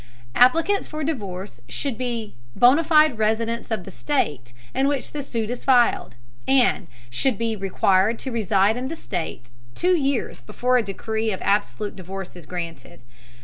Applicants for divorce should be bona fide residents of the state in which the suit is filed, and should be required to reside in the state two years before a decree of absolute divorce is granted.